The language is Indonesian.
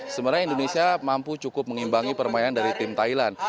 sebenarnya indonesia mampu cukup mengimbangi permainan dari tim thailand